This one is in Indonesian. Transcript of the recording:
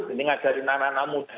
ini ngajarin anak anak muda